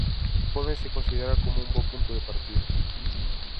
Pódense considerar como un bo punto de partida.